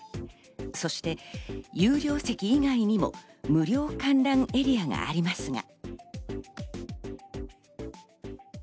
そして有料席以外にも無料観覧エリアがありますが。